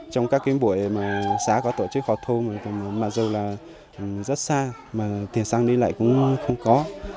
trong các buổi xã có tổ chức họ thôn mặc dù rất xa tiền sang đi lại cũng không có